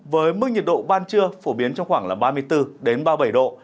với mức nhiệt độ ban trưa phổ biến trong khoảng ba mươi bốn ba mươi bảy độ